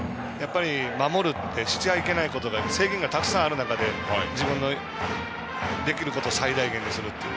守るって、しちゃいけないこと制限がたくさんある中で自分ができることを最大限にするっていう。